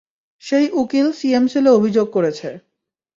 সেই উকিল সিএম সেলে অভিযোগ করেছে।